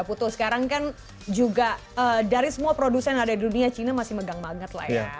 putu sekarang kan juga dari semua produsen yang ada di dunia cina masih megang banget lah ya